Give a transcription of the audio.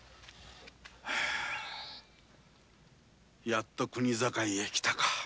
やっと国境へ来たか。